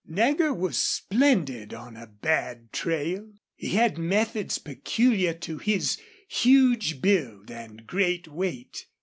Nagger was splendid on a bad trail. He had methods peculiar to his huge build and great weight.